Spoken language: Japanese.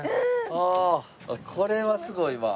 ああこれはすごいわ。